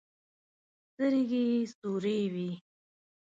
سترګې يې سورې وې.